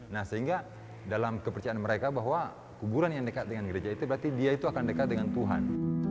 nah sehingga dalam kepercayaan mereka bahwa kuburan yang dekat dengan gereja itu berarti dia itu akan dekat dengan tuhan